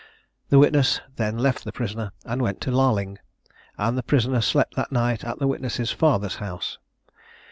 The witness then left the prisoner, and went to Larling; and the prisoner slept that night at the witness's father's house.